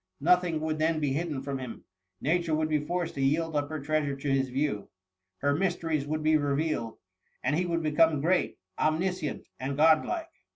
Nothing would then be hidden from him. Nature would be forced to yield up her treasures to bis view — her mysteries would be revealed , and he would become great, omniscient, and god like.